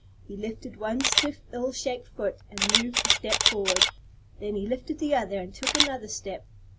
He lifted one stiff ill shaped foot and moved a step forward. Then he lifted the other and took another step.